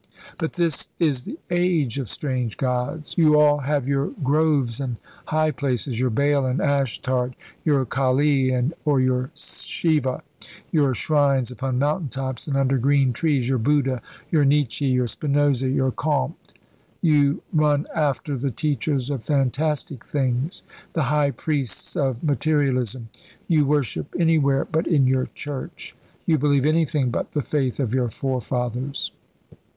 But this is the age of strange gods. You all have your groves and high places, your Baal and Astarte, your Kali or your Siva, your shrines upon mountain tops and under green trees, your Buddha, your Nietzsche, your Spinoza, your Comte. You run after the teachers of fantastic things, the high priests of materialism. You worship anywhere but in your church; you believe anything but the faith of your forefathers."